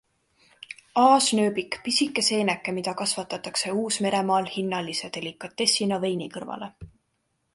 Aasnööbik, pisike seeneke, mida kasvatatakse Uus-Meremaal hinnalise delikatessina veini kõrvale.